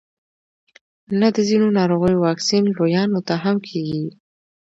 نه د ځینو ناروغیو واکسین لویانو ته هم کیږي